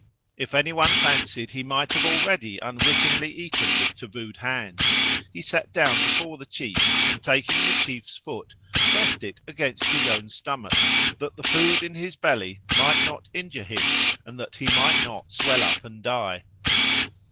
If any one fancied he might have already unwittingly eaten with tabooed hands, he sat down before the chief, and, taking the chief's foot, pressed it against his own stomach, that the food in his belly might not injure him, and that he might not swell up and die.